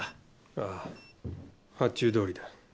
ああ発注どおりだ。